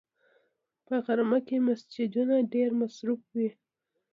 په غرمه کې مسجدونه ډېر مصروف وي